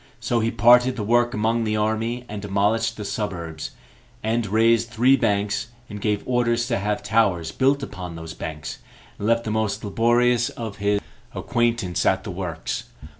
So he parted the work among the army, and demolished the suburbs, end raised three banks, and gave orders to have towers built upon those banks, and left the most laborious of his acquaintance at the works.